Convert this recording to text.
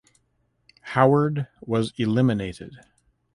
Howard was eliminated.